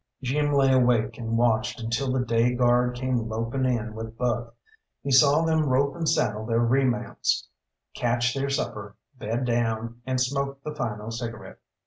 Jim lay awake and watched until the day guard came loping in with Buck. He saw them rope and saddle their remounts, catch their supper, bed down, and smoke the final cigarette.